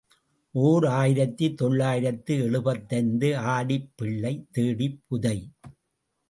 ஓர் ஆயிரத்து தொள்ளாயிரத்து எழுபத்தைந்து ஆடிப் பிள்ளை தேடிப் புதை.